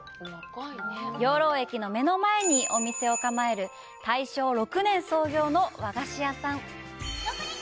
養老駅の目の前にお店を構える大正６年創業の和菓子屋さん。